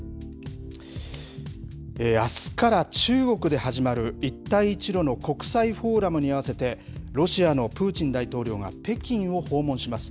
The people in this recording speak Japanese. あすから中国で始まる一帯一路の国際フォーラムに合わせて、ロシアのプーチン大統領が北京を訪問します。